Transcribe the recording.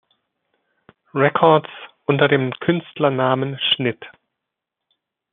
Records unter dem Künstlernamen Schnitt.